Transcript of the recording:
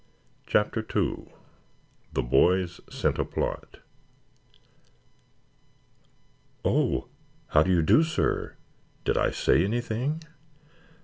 CHAPTER II THE BOYS SCENT A PLOT "Oh, how do you do, sir. Did I say anything?"